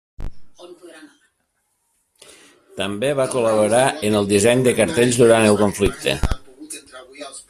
També va col·laborar en el disseny de cartells durant el conflicte.